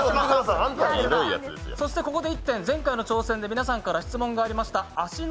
ここで１点、前回の挑戦で皆さんから質問ありました。